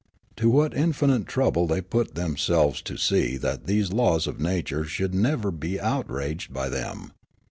To what infinite trouble they put themselves to see that these laws of nature should never be outraged by them